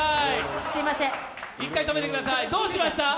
一回止めてください、どうしました？